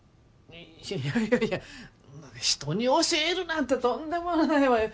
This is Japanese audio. いやいやいや人に教えるなんてとんでもないわよ。